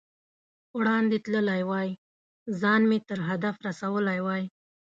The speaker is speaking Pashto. وړاندې تللی وای، ځان مې تر هدف رسولی وای.